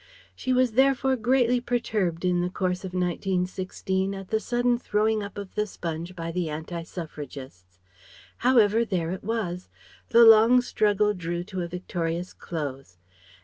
She was therefore greatly perturbed in the course of 1916 at the sudden throwing up of the sponge by the Anti suffragists. However, there it was. The long struggle drew to a victorious close.